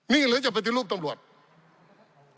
นี่หรือจะปฏิรูปตำรวจ